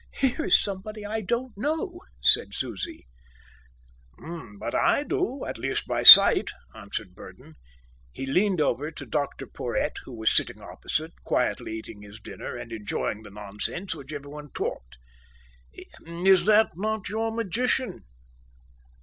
"Here is somebody I don't know," said Susie. "But I do, at least, by sight," answered Burdon. He leaned over to Dr Porhoët who was sitting opposite, quietly eating his dinner and enjoying the nonsense which everyone talked. "Is not that your magician?"